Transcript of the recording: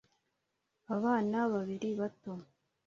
Abana babiri bato